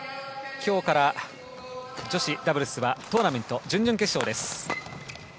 今日から女子ダブルスはトーナメント準々決勝です。